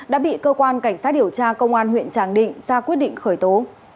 đã bị cơ quan cảnh sát điều tra công an huyện tràng định ra quyết định khởi tố